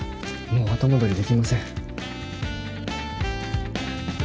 もう後戻りできません。